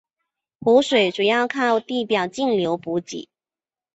湖水主要靠地表径流补给。